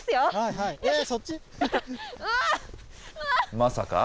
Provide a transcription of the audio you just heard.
まさか。